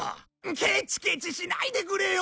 ケチケチしないでくれよ！